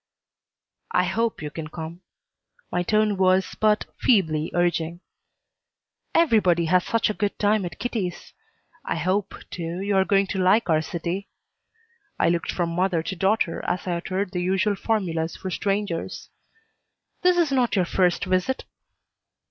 "I hope you can come." My tone was but feebly urging. "Everybody has such a good time at Kitty's. I hope, too, you are going to like our city." I looked from mother to daughter as I uttered the usual formulas for strangers. "This is not your first visit?"